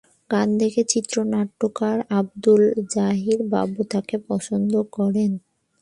গান দেখে চিত্রনাট্যকার আব্দুল্লাহ জহির বাবু তাকে পছন্দ করেন।